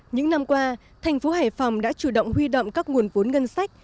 những năm qua thành phố hải phòng đã chủ động huy động các nguồn vốn ngân sách